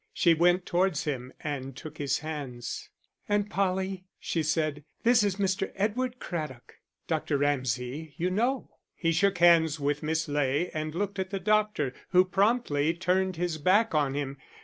She went towards him and took his hands. "Aunt Polly," she said, "this is Mr. Edward Craddock.... Dr. Ramsay you know." He shook hands with Miss Ley and looked at the doctor, who promptly turned his back on him.